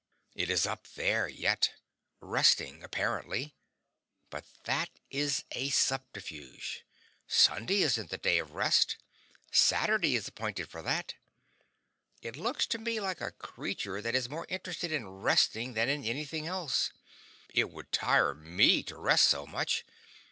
It is up there yet. Resting, apparently. But that is a subterfuge: Sunday isn't the day of rest; Saturday is appointed for that. It looks to me like a creature that is more interested in resting than in anything else. It would tire me to rest so much.